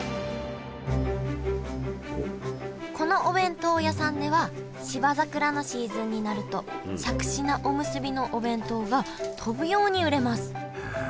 このお弁当屋さんでは芝桜のシーズンになるとしゃくし菜おむすびのお弁当が飛ぶように売れますへえ！